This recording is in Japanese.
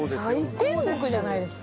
天国じゃないですか。